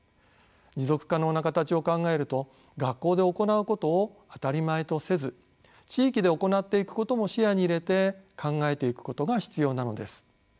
持続可能な形を考えると学校で行うことを当たり前とせず地域で行っていくことも視野に入れて考えていくことが必要なのです。